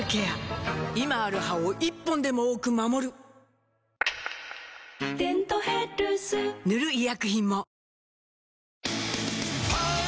今ある歯を１本でも多く守る「デントヘルス」塗る医薬品も